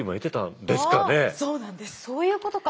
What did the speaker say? そういうことか！